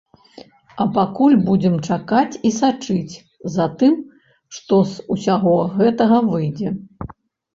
А пакуль будзем чакаць і сачыць за тым, што з усяго гэтага выйдзе.